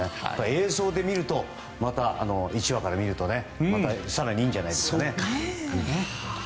映像でまた１話から見ると更にいいんじゃないですかね。